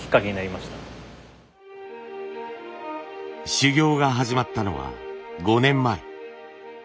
修業が始まったのは５年前。